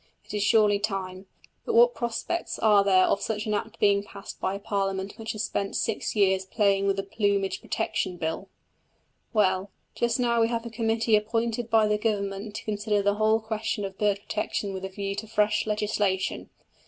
It is surely time. But what prospects are there of such an Act being passed by a Parliament which has spent six years playing with a Plumage Prohibition Bill! Well, just now we have a committee appointed by the Government to consider the whole question of bird protection with a view to fresh legislation.